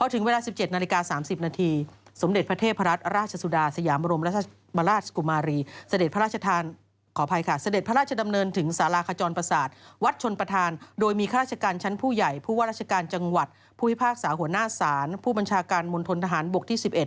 ที่ภาคสาหัวหน้าศาลผู้บัญชาการมนตรฐานบกที่๑๑